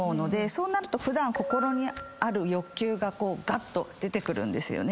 そうなると普段心にある欲求ががっと出てくるんですよね。